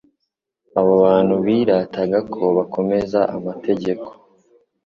Abo bantu birataga ko bakomeza amategeko,